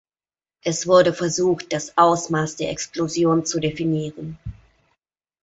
Es wurde versucht, das Ausmaß der Explosion zu definieren.